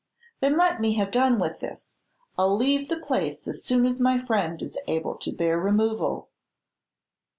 "Then let me have done with this. I'll leave the place as soon as my friend be able to bear removal."